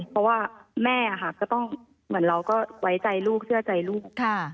เพราะว่าแม่ก็ต้องเหมือนเราก็ไว้ใจลูกเชื่อใจลูก